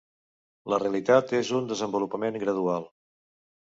La realitat és un desenvolupament gradual.